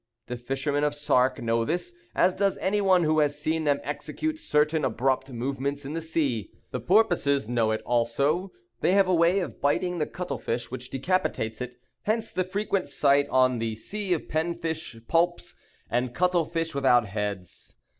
The fishermen of Sark know this, as does any one who has seen them execute certain abrupt movements in the sea. The porpoises know it also; they have a way of biting the cuttle fish which decapitates it. Hence the frequent sight on the sea of pen fish, poulps, and cuttle fish without heads.